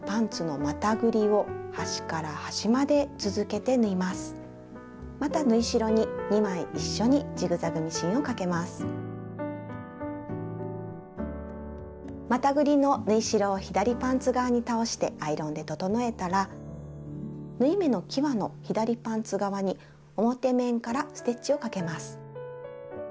またぐりの縫い代を左パンツ側に倒してアイロンで整えたら縫い目のきわの左パンツ側に表面からステッチをかけます。